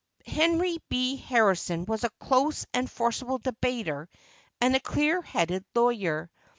Henry B. Harrison was a close and forcible debater and a clear headed lawyer.